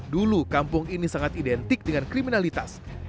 dulu kampung ini sangat identik dengan kriminalitas